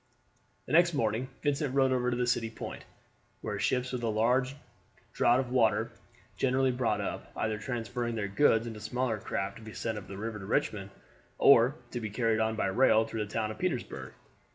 The next morning Vincent rode over to City Point, where ships with a large draught of water generally brought up, either transferring their goods into smaller craft to be sent up by river to Richmond, or to be carried on by rail through the town of Petersburg.